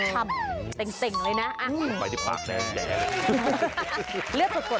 กินหอยมันต้องร่วงแบบสุขดี